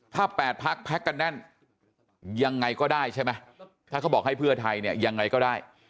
ถ้า๘พักแพ็คกันแน่นยังไงก็ได้ใช่ไหมถ้าเขาบอกให้เพื่อไทยเนี่ยยังไงก็ได้